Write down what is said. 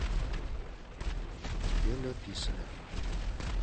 Йыле — писе.